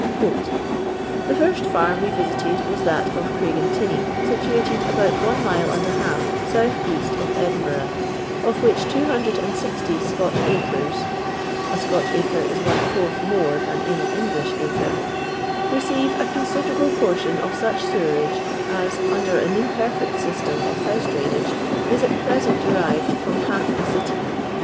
" The first farm we riaxted wai that of Cnig entinney, situated about one mile and a haj south east of Edinbnzgh, of which 260 Scctcli acres" (a Scotch acre is one foarth more than any English acre) "receive a considerable proporticti of such sewersgo as, nnder an imperfect system of house drainage, is at present deriTed from half the city.